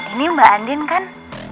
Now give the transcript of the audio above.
ini mbak andin kan